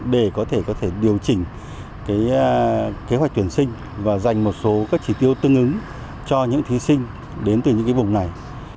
để có thể có thể điều chỉnh kế hoạch tuyển sinh và dành một số các chỉ tiêu tương ứng cho những thí sinh đến từ những vùng này